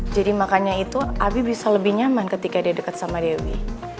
jadi makanya itu abi bisa lebih nyaman ketika dia dekat sama dewi